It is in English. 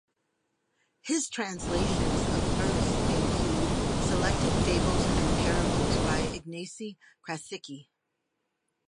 His translations of verse include selected "Fables and Parables" by Ignacy Krasicki.